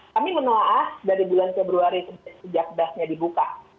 kami menelaah dari bulan februari sejak dasarnya dibuka